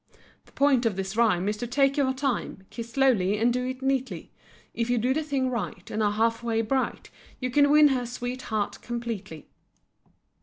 The point of this rhyme is to take your time, Kiss slowly and do it neatly; If you do the thing right and are halfway bright, You can win her sweet heart completely.